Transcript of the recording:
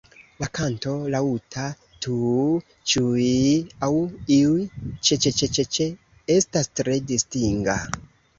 La kanto, laŭta "tuuuu-ĉŭiŭiŭiŭi" aŭ "ŭi-ĉeĉeĉeĉeĉe", estas tre distinga.